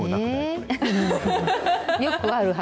よくある話。